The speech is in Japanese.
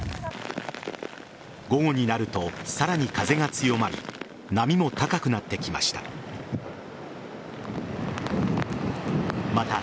午後になるとさらに風が強まり波も高くなってきました。